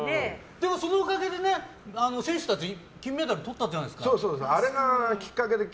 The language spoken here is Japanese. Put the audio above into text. でも、そのおかげで選手たち金メダルとったじゃないですか。